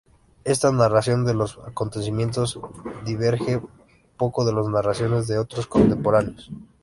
Esta narración de los acontecimientos diverge poco de las narraciones de otros contemporáneos.